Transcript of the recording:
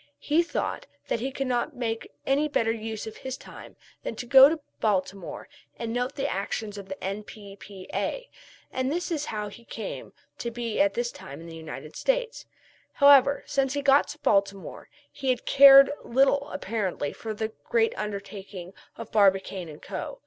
He thought that he could not make any better use of his time than to go to Baltimore and note the actions of the N.P.P.A. And this is how he came to be at this time in the United States. However, since he got to Baltimore he had cared little apparently for the great undertaking of Barbicane & Co.